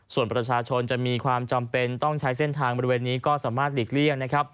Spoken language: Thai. ส่วนประชาชนจะมีความจำเป็นต้องใช้เส้นทางบริเวณนี้ก็สามารถหลีกเลี่ยงนะครับ